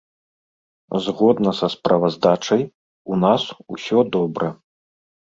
Згодна са справаздачай, у нас усё добра.